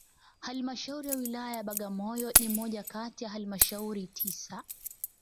Halmashauri ya Wilaya ya Bagamoyo ni moja kati ya halmashuri tisa